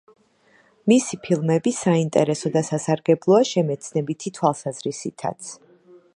მისი ფილმები საინტერესო და სასარგებლოა შემეცნებითი თვალსაზრისითაც.